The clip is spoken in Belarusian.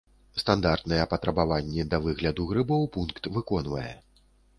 Стандартныя патрабаванні да выгляду грыбоў пункт выконвае.